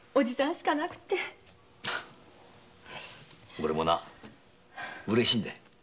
おれもうれしいんだ。